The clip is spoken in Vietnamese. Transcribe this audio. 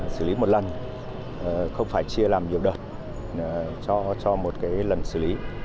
xử lý một lần không phải chia làm nhiều đợt cho một lần xử lý